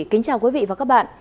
kính chào quý vị và các bạn